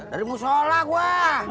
dari musola gua